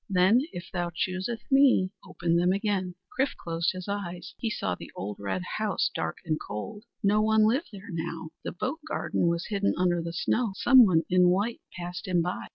Then, if thou choosest me, open them again." Chrif closed his eyes. He saw the old red house dark and cold. No one lived there now. The boat garden was hidden under the snow. Someone in white passed him by.